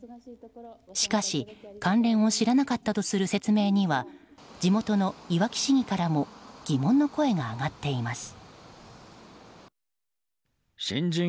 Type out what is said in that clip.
しかし、関連を知らなかったとする説明には地元のいわき市議からも疑問の声が上がっています。